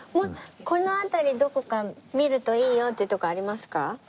この辺りどこか見るといいよっていう所ありますか？